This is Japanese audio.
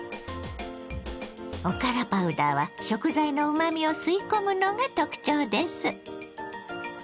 おからパウダーは食材のうまみを吸い込むのが特徴です。